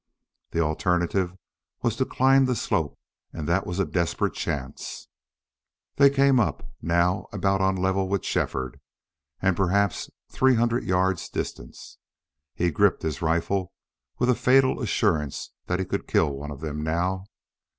The alternative was to climb the slope, and that was a desperate chance. They came up, now about on a level with Shefford, and perhaps three hundred yards distant. He gripped his rifle with a fatal assurance that he could kill one of them now.